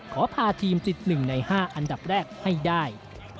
ขอพาทีมติด๑ใน๕อันดับแรกให้ได้